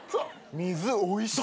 水おいしい。